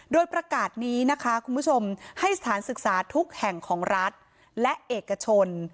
โดยประกาศนี้นะคะคุณผู้ชมให้สถานศึกษาทุกแห่งของรัฐและเอกชน